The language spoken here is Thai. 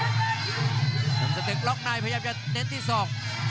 นุ่มสะเติกล็อกไนพยายามจะเน้นที่สอง